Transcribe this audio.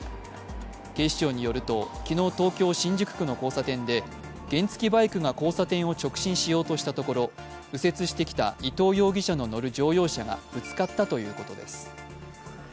警視庁によると昨日東京・新宿区の交差点で原付きバイクが交差点を直進しようとしたところ、右折してきた伊東容疑者の乗る乗用車がぶつかったということです。